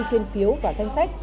trên phiếu và danh sách